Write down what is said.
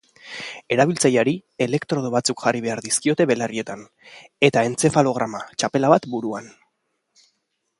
Erabiltzaileari elektrodo batzuk jarri behar dizkiote belarrietan, eta entzefalograma txapela bat buruan.